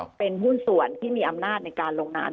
เป็นหุ้นส่วนที่มีอำนาจในการลงนาม